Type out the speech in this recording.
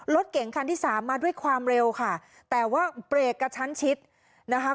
รถเก่งคันที่สามมาด้วยความเร็วค่ะแต่ว่าเบรกกระชั้นชิดนะคะ